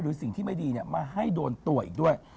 สิ่งที่ไม่ดีมาให้โดนตัวอีกด้วย